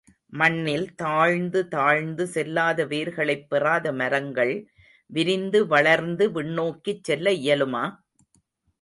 மண்ணில் தாழ்ந்து தாழ்ந்து செல்லாத வேர்களைப் பெறாத மரங்கள் விரிந்து வளர்ந்து விண்ணோக்கிச் செல்ல இயலுமா?